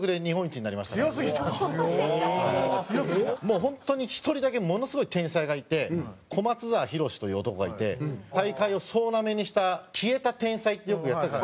もう本当に１人だけものすごい天才がいてコマツザワヒロシという男がいて大会を総なめにした『消えた天才』ってよくやってたじゃないですか。